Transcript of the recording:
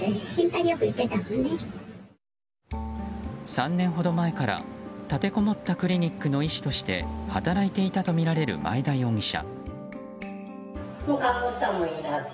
３年ほど前から、立てこもったクリニックの医師として働いていたとみられる前田容疑者。